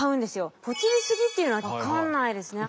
ポチりすぎっていうのは分かんないですね。